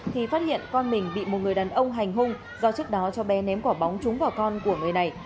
thì phát hiện con mình bị một người đàn ông hành hung do trước đó cháu bé ném quả bóng trúng vào con của người này